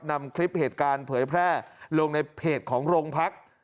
นำคลิปเหตุการณ์เผยแพร่ลงในเพจของโรงพัก